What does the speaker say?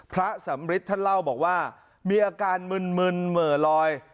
พระสำริทท่านเล่าบอกว่ามีอาการมึนเหม่อลอย